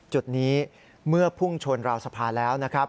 จุดนี้เมื่อพุ่งชนราวสะพานแล้ว